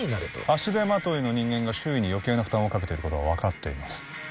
足手まといの人間が周囲によけいな負担をかけていることは分かっています